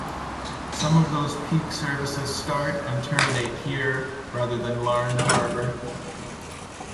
Some of those peak services start and terminate here rather than Larne Harbour.